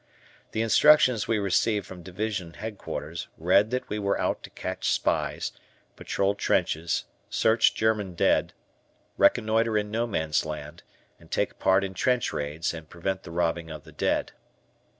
The instructions we received from Division Headquarters read that we were out to catch spies, patrol trenches, search German dead, reconnoiter in No Man's Land, and take part in trench raids, and prevent the robbing of the dead.